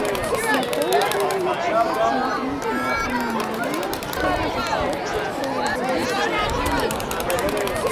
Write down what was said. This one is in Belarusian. На поўдні вылучаецца магнітная анамалія, што можа сведчыць пра радовішчы жалеза.